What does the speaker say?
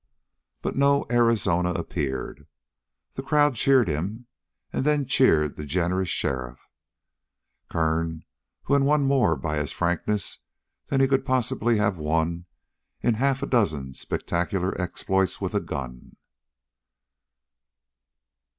But no Arizona appeared. The crowd cheered him, and then cheered the generous sheriff. Kern had won more by his frankness than he could possibly have won in half a dozen spectacular exploits with a gun.